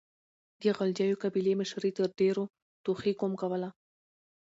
د غلجيو قبيلې مشري تر ډيرو توخي قوم کوله.